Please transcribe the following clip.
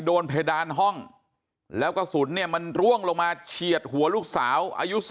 เพดานห้องแล้วกระสุนเนี่ยมันร่วงลงมาเฉียดหัวลูกสาวอายุ